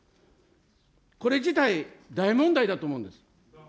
これ自体、大問題だと思うんです。